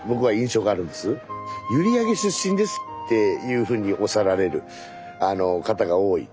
閖上出身ですっていうふうにおっしゃられる方が多い。